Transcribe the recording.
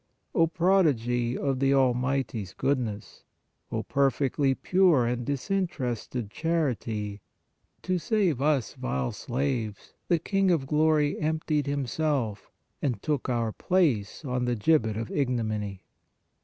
O prodigy of the Almighty s goodness! O perfectly pure and disinterested charity! To save us, vile slaves, the King of glory " emptied Himself " and took our place on the gibbet of ignominy.